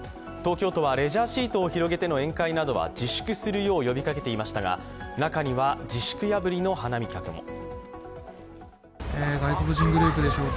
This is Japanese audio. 東京都はレジャーシートを広げての宴会などは自粛するよう呼びかけていましたが、中には、自粛破りの花見客も。